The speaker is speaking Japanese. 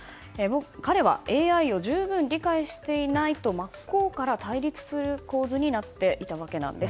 彼はＡＩを十分理解していないと真っ向から対立する構図になっていたわけなんです。